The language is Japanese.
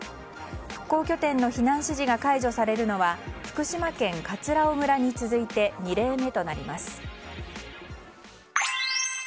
復興拠点の避難指示が解除されるのは福島県葛尾村に続いて２例目となります。